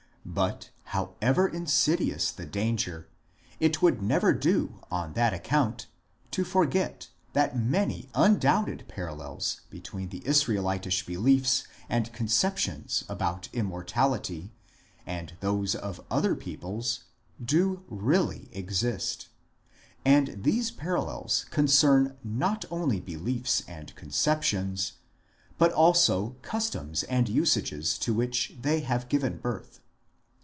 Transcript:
But however insidious the danger, it would never do on that account to forget that many undoubted parallels between the Israelite beliefs and conceptions about Immortality and those of other peoples do really exist ; and these parallels concern not only beliefs and 1 The Religion of the Semites, p. 2. SOME PRELIMINARY CONSIDERATIONS 3 conceptions, but also customs and usages to which they have given birth.